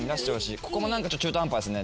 ここも中途半端ですね。